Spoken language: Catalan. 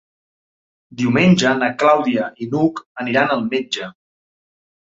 Diumenge na Clàudia i n'Hug aniran al metge.